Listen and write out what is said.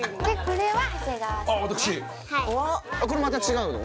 これまた違うの？